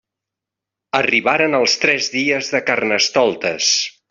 Arribaren els tres dies de Carnestoltes.